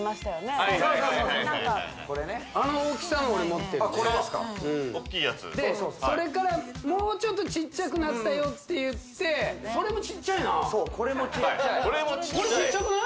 はいはいはいはいあの大きさの俺持ってるね大きいやつでそれからもうちょっとちっちゃくなったよっていってそれもちっちゃいなそうこれもちっちゃいこれちっちゃくない？